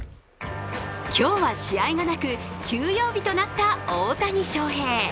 今日は試合がなく、休養日となった大谷翔平。